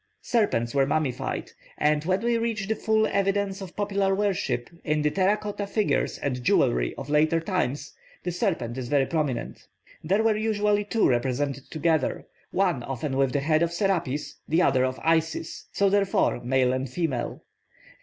Serpents were mummified; and when we reach the full evidences of popular worship, in the terra cotta figures and jewellery of later times, the serpent is very prominent. There were usually two represented together, one often with the head of Serapis, the other of Isis, so therefore male and female.